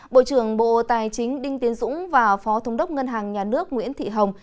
bộ trưởng bộ tài chính đinh tiến dũng và phó thống đốc ngân hàng nhà nước nguyễn thị hồng